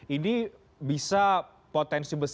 ini bisa potensi besar